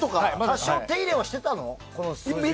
信五、手入れはしてたの？